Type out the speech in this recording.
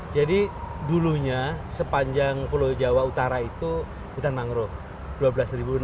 jadi dulunya sepanjang pulau jawa utara itu hutan mangrove dua belas enam ratus